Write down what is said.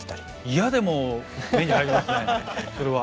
いやでも目に入りますねそれは。